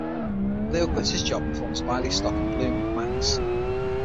Leo quits his job and forms "Bialystock and Bloom" with Max.